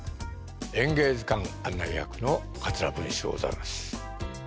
「演芸図鑑」案内役の桂文枝でございます。